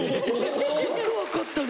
よく分かったね